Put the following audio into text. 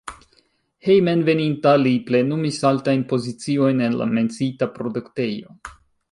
Hejmenveninta li plenumis altajn poziciojn en la menciita produktejo.